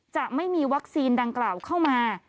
จะไม่มีวัคซีนดังกล่าวเข้ามา